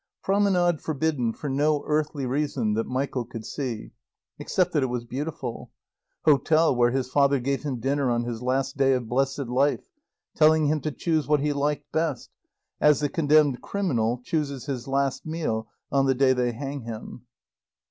Promenade forbidden for no earthly reason that Michael could see, except that it was beautiful. Hotel where his father gave him dinner on his last day of blessed life, telling him to choose what he liked best, as the condemned criminal chooses his last meal on the day they hang him.